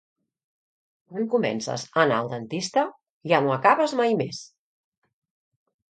Quan comences a anar al dentista ja no acabes mai més